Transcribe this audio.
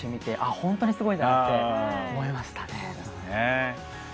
本当にすごいんだって思いましたね。